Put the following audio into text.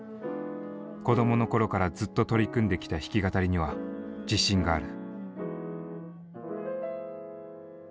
子どもの頃からずっと取り組んできた弾き語りには自信がある。